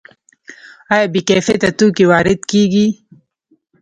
آیا بې کیفیته توکي وارد کیږي؟